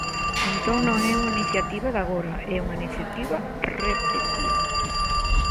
Entón non é unha iniciativa de agora, é unha iniciativa repetida.